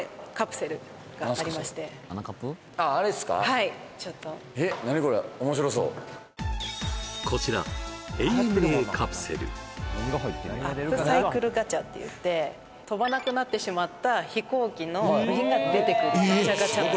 はいちょっとえっこちらアップサイクルガチャっていって飛ばなくなってしまった飛行機の部品が出てくるガチャガチャなんですよ